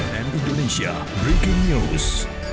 dan indonesia breaking news